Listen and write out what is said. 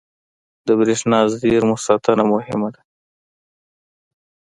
• د برېښنايي زېرمو ساتنه مهمه ده.